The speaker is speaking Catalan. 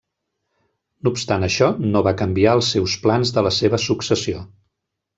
No obstant això, no va canviar els seus plans de la seva successió.